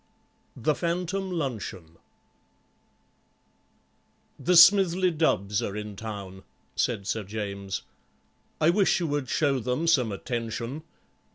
THE PHANTOM LUNCHEON "The Smithly Dubbs are in Town," said Sir James. "I wish you would show them some attention.